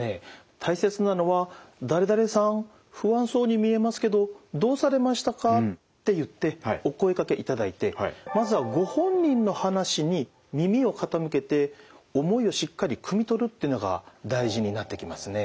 大切なのは「誰々さん不安そうに見えますけどどうされましたか？」って言ってお声がけいただいてまずはご本人の話に耳を傾けて思いをしっかりくみ取るっていうのが大事になってきますね。